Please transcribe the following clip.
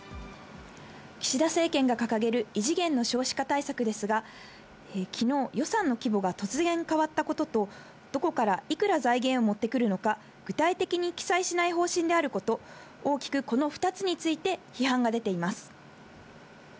岸田政権が掲げる異次元の少子化対策ですが、きのう、予算の規模が突然変わったことと、どこからいくら財源を持ってくるのか、具体的に記載しない方針であること、大きくこの２つについて批判が出ています。